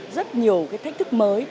rất nhiều cái thách thức mới